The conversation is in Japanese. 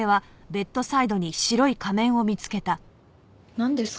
なんですか？